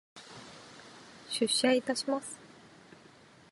出社いたします。